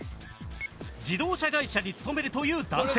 自動車会社に勤めるという男性。